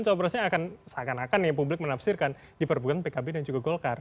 cowok cowok perasaan akan seakan akan ya publik menafsirkan di perbuatan pkb dan juga golkar